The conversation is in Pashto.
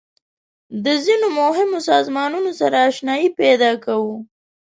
د ځینو مهمو سازمانونو سره آشنایي پیدا کوو.